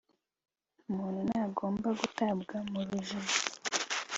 Umuntu ntagomba gutabwa mu rujijo